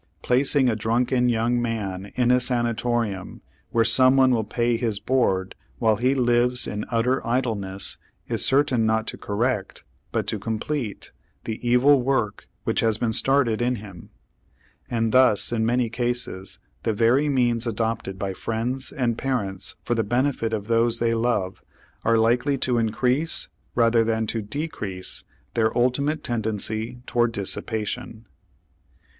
Placing a drunken young man in a sanatorium where some one will pay his board while he lives in utter idleness is certain not to correct, but to complete, the evil work which has been started in him; and thus in many cases the very means adopted by friends and parents for the benefit of those they love are likely to increase rather than to decrease their ultimate tendency toward dissipation.